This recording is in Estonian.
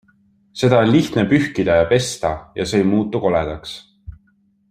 Seda on lihtne pühkida ja pesta ja see ei muutu koledaks.